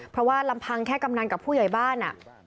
เพราะว่าลำพังแค่กำนันกับผู้ใหญ่บ้าน